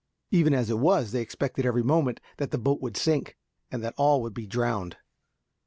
Even as it was, they expected every moment that the boat would sink, and that all would be drowned.